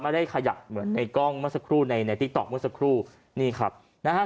ไม่ได้ขยับเหมือนในกล้องเมื่อสักครู่ในในติ๊กต๊อกเมื่อสักครู่นี่ครับนะฮะ